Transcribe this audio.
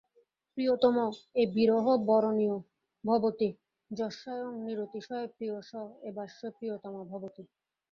প্রিয়তম এব হি বরণীয়ো ভবতি, যস্যায়ং নিরতিশয়প্রিয় স এবাস্য প্রিয়তমো ভবতি।